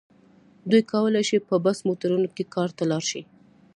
دوی کولای شي په بس موټرونو کې کار ته لاړ شي.